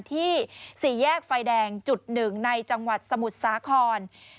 ที่สี่แยกไฟแดงจุด๑ในจังหวัดสมุทรสาคร